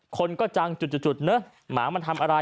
คนก็จังจุดเนอะหมามันทำอะไร